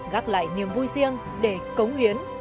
gác lại niềm vui riêng để cống hiến